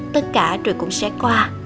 tất cả rồi cũng sẽ qua